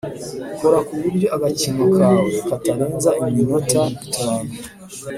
Kora ku buryo agakino kawe katarenza iminota itanu